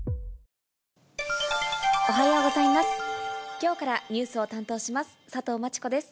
きょうからニュースを担当します佐藤真知子です。